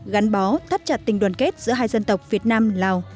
gắn bó thắt chặt tình đoàn kết giữa hai dân tộc việt nam lào